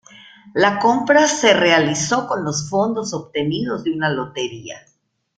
La compra se realizó con los fondos obtenidos de una lotería.